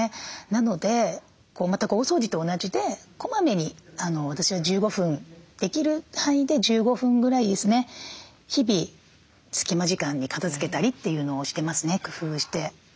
なので全く大掃除と同じで小まめに私は１５分できる範囲で１５分ぐらいですね日々隙間時間に片づけたりっていうのをしてますね工夫して。